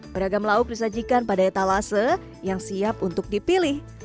beragam lauk disajikan pada etalase yang siap untuk dipilih